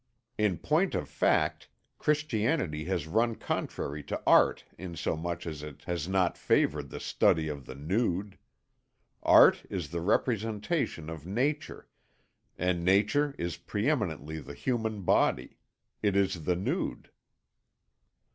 In point of fact, Christianity has run contrary to art in so much as it has not favoured the study of the nude. Art is the representation of nature, and nature is pre eminently the human body; it is the nude."